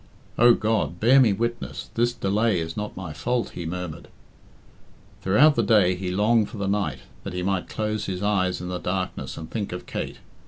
"Oh God, bear me witness, this delay is not my fault," he murmured. Throughout the day he longed for the night, that he might close his eyes in the darkness and think of Kate.